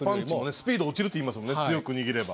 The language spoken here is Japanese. スピード落ちるって言いますもんね強く握れば。